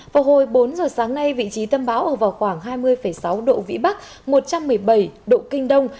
vào hồi bốn giờ sáng nay vị trí tâm bão ở vào khoảng hai mươi sáu độ vĩ bắc một trăm một mươi bảy độ kinh đông